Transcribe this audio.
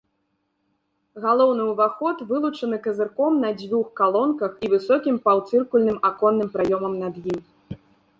Галоўны ўваход вылучаны казырком на дзвюх калонках і высокім паўцыркульным аконным праёмам над ім.